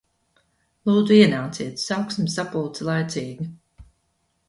Lūdzu ienāciet, sāksim sapulci laicīgi.